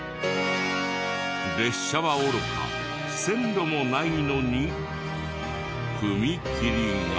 列車はおろか線路もないのに踏切が。